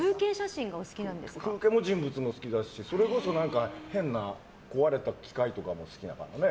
風景も人物も好きだしそれこそ、変な壊れた機械とかも好きだからね